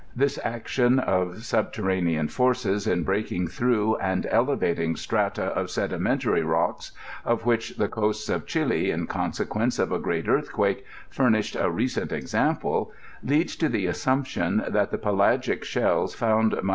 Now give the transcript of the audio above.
This action of subtemuMaa finoes in breaking through and elevating strata of sedimentary rooks, of whidi the coast of Chili, in ooBseqaenee of a great earthquake, fur nished a recent example, leads to the assumption that the pelagic shells found by M.